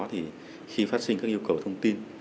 thì khi phát sinh các yêu cầu thông tin